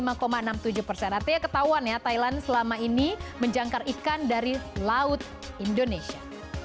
artinya ketahuan ya thailand selama ini menjangkar ikan dari laut indonesia